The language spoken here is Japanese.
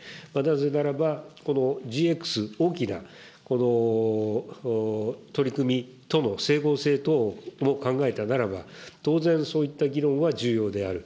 なぜならばこのＧＸ、大きな取り組みとの整合性等も考えたならば、当然そういった議論は重要である。